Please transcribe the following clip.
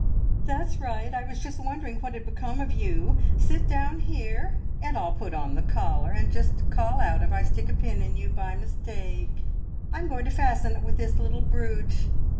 "That's right! I was just wondering what had become of you. Sit down here, and I'll put on the collar, and just call out if I stick a pin in you by mistake. I'm going to fasten it with this little brooch.